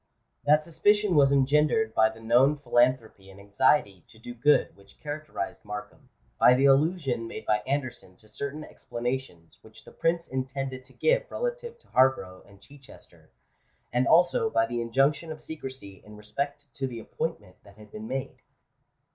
That suspicion was engendered by the known philanthropy and anxiety to do good which characterised Markham; by the allusion made by Anderson to certain explanations which the Prince intended to give relative to Harborough and Chichester; and also by the injunction of secrecy in respect to the appointment that had been made.